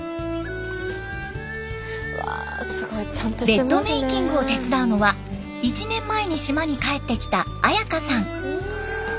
ベッドメイキングを手伝うのは１年前に島に帰ってきた彩花さん。